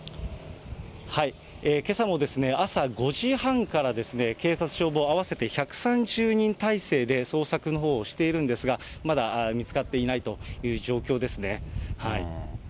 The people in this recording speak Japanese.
けさも朝５時半から警察、消防合わせて１３０人態勢で捜索のほうをしているんですが、まだ見つかっていないという状況ですね。